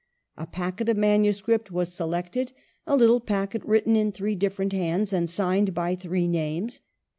A packet of manuscript was selected, a little packet written in three different hands and signed by three names.